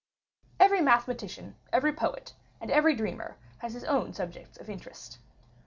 Every mathematician, every poet, and every dreamer has his own subjects of interest.